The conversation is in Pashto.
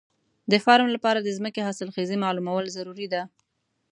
د فارم لپاره د ځمکې حاصلخېزي معلومول ضروري دي.